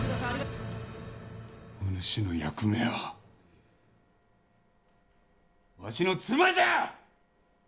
お主の役目はわしの妻じゃ！